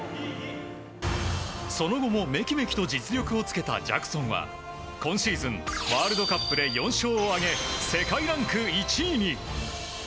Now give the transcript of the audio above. その後も、めきめきと実力をつけたジャクソンは今シーズンワールドカップで４勝を挙げ世界ランク１位に。